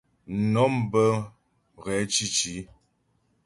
Mnɔm bə́ ghɛ̂ cǐci.